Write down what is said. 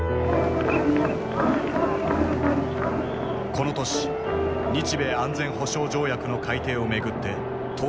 この年日米安全保障条約の改定をめぐって闘争が激化。